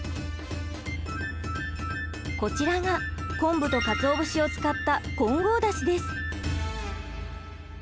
こちらが昆布とかつお節を使った混合だしです。